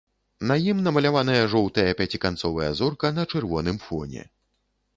На ім намаляваная жоўтая пяціканцовая зорка на чырвоным фоне.